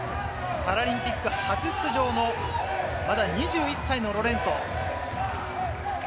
パラリンピック初出場の、まだ２１歳のロレンソ。